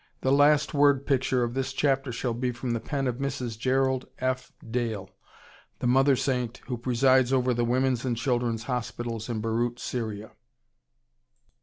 The last word picture of this chapter shall be from the pen of Mrs. Gerald F. Dale, the mother saint who presides over the women's and children's hospitals in Beirut, Syria.